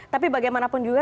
tapi bagaimanapun juga